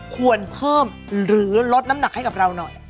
ควรเพิ่มหรือลดน้ำหนักให้กับเราหน่อย